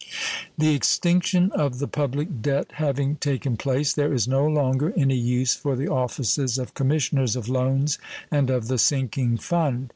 The extinction of the public debt having taken place, there is no longer any use for the offices of Commissioners of Loans and of the Sinking Fund.